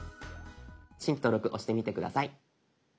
「新規登録」押してみて下さい。